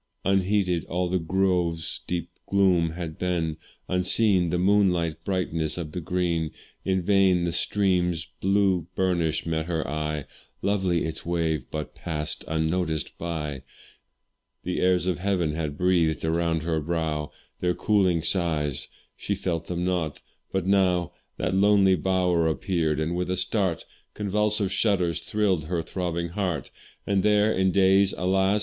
Unheeded all the grove's deep gloom had been, Unseen the moonlight brightness of the green; In vain the stream's blue burnish met her eye, Lovely its wave, but pass'd unnoticed by: The airs of heaven had breath'd around her brow Their cooling sighs she felt them not but now That lonely bower appeared, and with a start Convulsive shudders thrill'd her throbbing heart. For there, in days, alas!